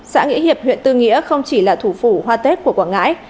xã nghĩa hiệp huyện tư nghĩa không chỉ là thủ phủ hoa tết của quảng ngãi